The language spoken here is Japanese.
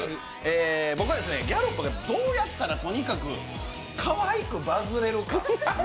僕はギャロップがどうやったらとにかくかわいくバズれるか。